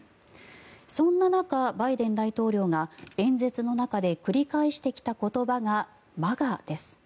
そんな中、バイデン大統領が演説の中で繰り返してきた言葉がＭＡＧＡです。